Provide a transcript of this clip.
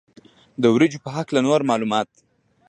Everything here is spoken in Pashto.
د وریجو په هکله نور معلومات.